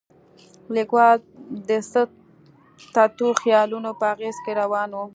لیکوال د څه تتو خیالونه په غېږ کې راون و.